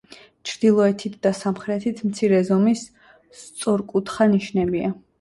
ჩრდილოეთით და სამხრეთით მცირე ზომის სწორკუთხა ნიშებია.